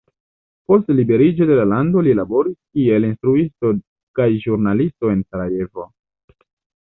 Post liberiĝo de la lando li laboris kiel instruisto kaj ĵurnalisto en Sarajevo.